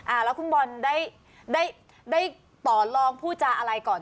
อ่าแล้วคุณบอลได้ได้ต่อลองพูดจาอะไรก่อน